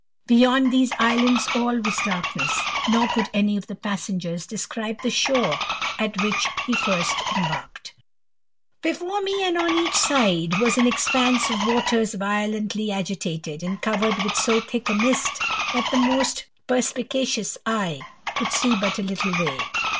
Beyond these islands all *U3 darkness, nor could any of the passengers describe ■*e shore at which he first embarked. Sribre me, and on each side, was an expanse of waters "^^ilently agitated, and covered with so thick a mist, that *»c most perspicacious eye could see but a little way.